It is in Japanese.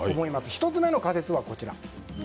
１つ目の仮説はこちら。